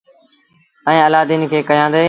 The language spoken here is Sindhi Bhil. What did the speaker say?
ائيٚݩ الآدين کي ڪيآندي۔